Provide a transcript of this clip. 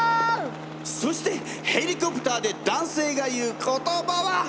そしてヘリコプターで男性が言う言葉は！？